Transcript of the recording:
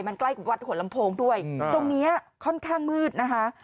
มันใกล้กับวัดหัวลำโพงด้วยตรงนี้ค่อนข้างมืดนะคะ